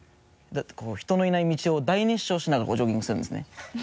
人の居ない道を大熱唱しながらジョギングするんですね。